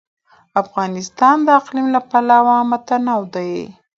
افغانستان د اقلیم له پلوه متنوع دی.